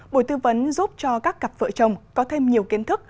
bộ tư vấn giúp cho các cặp vợ chồng có thêm nhiều kiến thức